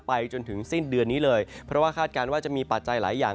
จนถึงสิ้นเดือนนี้เลยเพราะว่าคาดการณ์ว่าจะมีปัจจัยหลายอย่าง